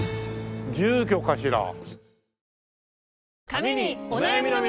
住居かしら？